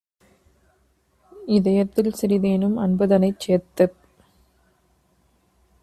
இதயத்தில் சிறிதேனும் அன்புதனைச் சேர்த்துப்